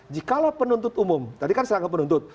jikalau penuntut umum tadi kan serangka penuntut